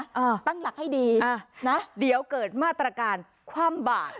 อ่าตั้งหลักให้ดีอ่านะเดี๋ยวเกิดมาตรการคว่ำบาด